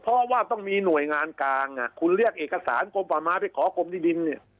เพราะว่าต้องมีหน่วยงานกลางคุณเรียกเอกสารกลมป่าไม้ไปขอกรมที่ดินเนี่ย